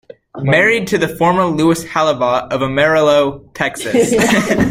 Married to the former Lois Hollabaugh of Amarillo, Texas.